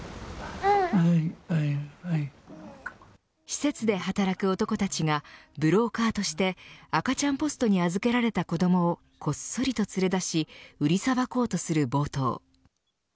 施設で働く男たちがブローカーとして赤ちゃんポストに預けられた子どもをこっそりと連れ出し売りさばこうとする冒頭。